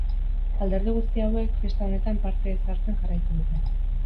Alderdi guzti hauek, festa honetan parte ez hartzen jarraitu dute.